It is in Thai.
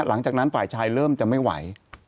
หลังจากนั้นฝ่ายชายเริ่มจะไม่ไหว